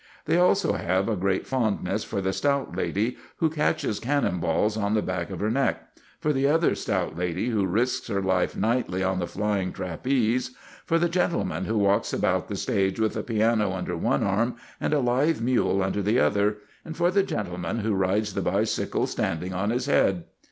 They also have a great fondness for the stout lady who catches cannon balls on the back of her neck, for the other stout lady who risks her life nightly on the flying trapeze, for the gentleman who walks about the stage with a piano under one arm and a live mule under the other, and for the gentleman who rides the bicycle standing on his head.